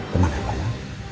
tenang ya pak ya